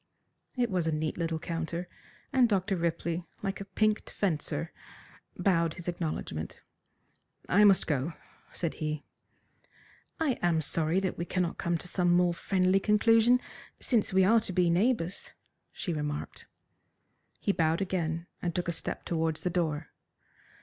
It was a neat little counter, and Dr. Ripley, like a pinked fencer, bowed his acknowledgment. "I must go," said he. "I am sorry that we cannot come to some more friendly conclusion since we are to be neighbours," she remarked. He bowed again, and took a step towards the door.